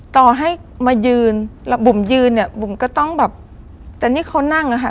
ต่อให้มายืนแล้วบุ๋มยืนเนี่ยบุ๋มก็ต้องแบบแต่นี่เขานั่งอะค่ะ